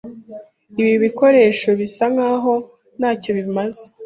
Ibi bikoresho bisa nkaho ntacyo bimaze.